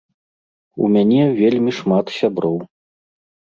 У мяне вельмі шмат сяброў.